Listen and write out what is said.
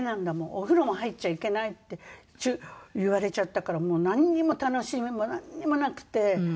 「お風呂も入っちゃいけない」って言われちゃったからもうなんにも楽しみもなんにもなくて。